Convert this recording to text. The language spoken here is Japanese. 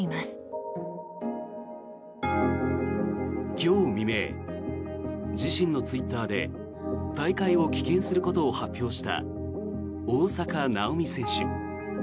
今日未明、自身のツイッターで大会を棄権することを発表した大坂なおみ選手。